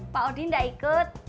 pak odi gak ikut